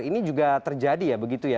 ini juga terjadi ya begitu ya